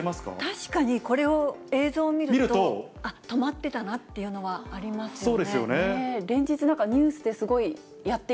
確かにこれを、映像を見ると、止まってたなっていうのはありますよね。